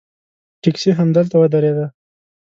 ټیکسي همدلته ودرېده.